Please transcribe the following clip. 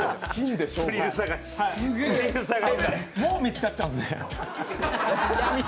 もう見つかっちゃうんですね。